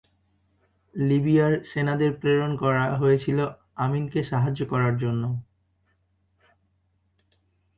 লিবিয়ার সেনাদের প্রেরণ করা হয়েছিল আমিনকে সাহায্য করার জন্য।